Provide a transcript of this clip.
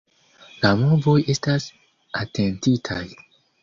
La movoj estas atentitaj.